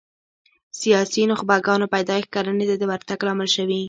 سیاسي نخبګانو پیدایښت کرنې ته د ورتګ لامل شوي